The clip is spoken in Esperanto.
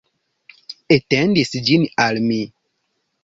Etendis ĝin al mi.